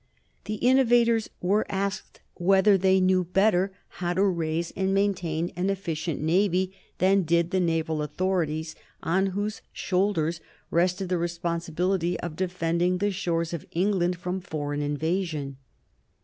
The innovators were asked whether they knew better how to raise and maintain an efficient Navy than did the naval authorities, on whose shoulders rested the responsibility of defending the shores of England from foreign invasion.